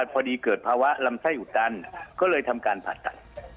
พอดีเกิดภาวะลำไส้อุดตันก็เลยทำการผ่าตัด